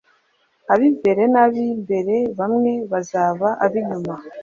Ab imbere n ab imbere bamwe bazaba ab inyuma